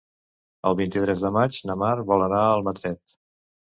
El vint-i-tres de maig na Mar vol anar a Almatret.